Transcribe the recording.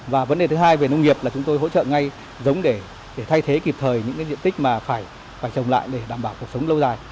và vấn đề thứ hai về nông nghiệp là chúng tôi hỗ trợ ngay giống để thay thế kịp thời những diện tích mà phải trồng lại để đảm bảo cuộc sống lâu dài